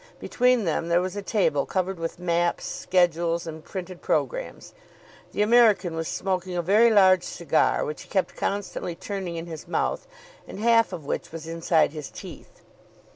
Between them there was a table covered with maps, schedules, and printed programmes. The American was smoking a very large cigar, which he kept constantly turning in his mouth, and half of which was inside his teeth.